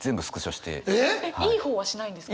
えっいい方はしないんですか？